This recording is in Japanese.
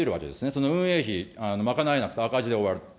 その運営費、賄えなくて赤字で終わると。